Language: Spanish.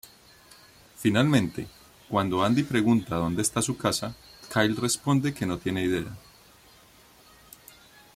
Finalmente, cuando Andy pregunta dónde está su casa, Kyle responde que no tiene idea.